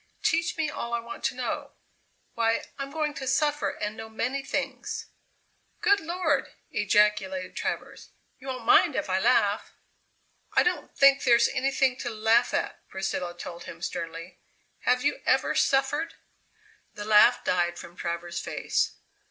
"Teach me all I want to know. Why, I'm going to suffer and know many things!" "Good Lord!" ejaculated Travers; "you won't mind if I laugh?" "I don't think there's anything to laugh at!" Priscilla held him sternly. "Have you ever suffered?" The laugh died from Travers's face.